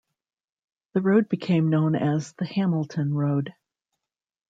The road became known as the Hamilton Road.